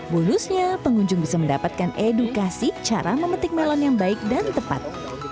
bonusnya pengunjung bisa mendapatkan edukasi cara memetik melon yang baik dan tepat